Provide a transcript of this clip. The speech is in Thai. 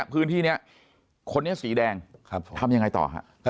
พื้นที่นี้คนนี้สีแดงทำยังไงต่อฮะ